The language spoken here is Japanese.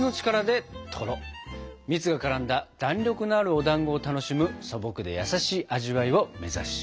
蜜が絡んだ弾力のあるおだんごを楽しむ素朴で優しい味わいを目指します！